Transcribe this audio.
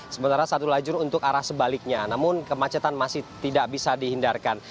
sementara satu lajur untuk arah sebaliknya namun kemacetan masih tidak bisa dihindarkan